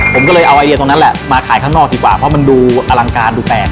ผมก็เลยเอาไอเดียตรงนั้นแหละมาขายข้างนอกดีกว่าเพราะมันดูอลังการดูแปลก